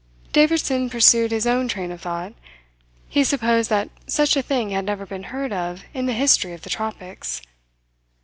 Davidson pursued his own train of thought. He supposed that such a thing had never been heard of in the history of the tropics.